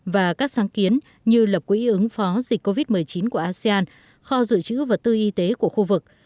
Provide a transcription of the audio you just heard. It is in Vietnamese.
và các sáng kiến như lập quỹ ứng phó dịch covid một mươi chín của asean kho dự trữ vật tư y tế của khu vực